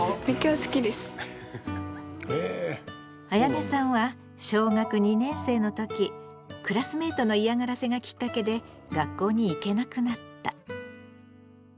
あやねさんは小学２年生の時クラスメートの嫌がらせがきっかけで学校に行けなくなった。